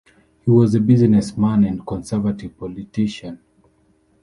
He was a businessman and Conservative politician.